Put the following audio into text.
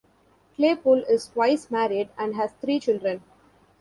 Claypool is twice married and has three children.